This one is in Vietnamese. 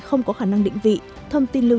không có khả năng định vị thông tin lưu